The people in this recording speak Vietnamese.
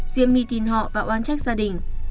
diễm my tin họ và oán trách gia đình